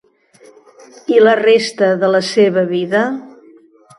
I la resta de la seva vida?